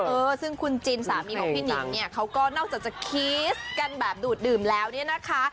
เออซึ่งคุณจินสามีของพี่หนิงเนี่ยเขาก็นอกจากจะคีสกันแบบดูดดื่มแล้วเนี่ยนะคะ